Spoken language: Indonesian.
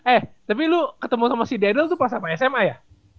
eh tapi lu ketemu sama si daryl itu pas apa sma ya